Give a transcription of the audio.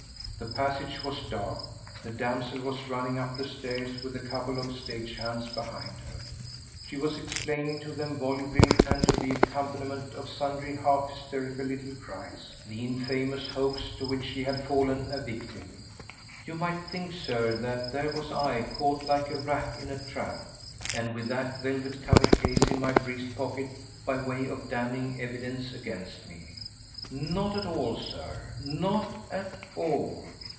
The passage was dark. The damsel was running up the stairs with a couple of stage hands behind her. She was explaining to them volubly, and to the accompaniment of sundry half hysterical little cries, the infamous hoax to which she had fallen a victim. You might think, Sir, that here was I caught like a rat in a trap, and with that velvet covered case in my breast pocket by way of damning evidence against me! Not at all, Sir! Not at all!